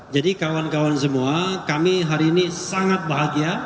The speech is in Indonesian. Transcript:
jadi kawan kawan semua kami hari ini sangat bahagia